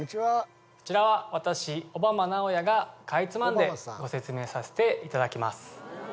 こちらは私小浜尚也がかいつまんでご説明させていただきます